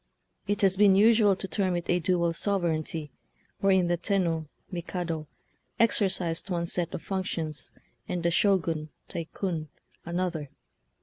It has been usual to term it a "dual sovereignty," wherein the Tenno {Mikado) exercised one set of functions, and the Shogun (TaiJcun) an other.